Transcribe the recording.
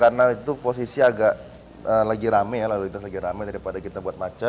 karena itu posisi agak lagi rame lagi rame daripada kita buat macet tujuan kita kan mau menertibkan biar tidak terjadi macet